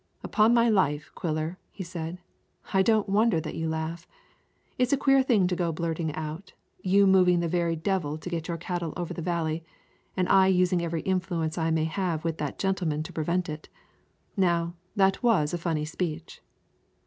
"Upon my life, Quiller," he said, "I don't wonder that you laugh. It was a queer thing to go blurting out, you moving the very devil to get your cattle over the Valley, and I using every influence I may have with that gentleman to prevent it. Now, that was a funny speech."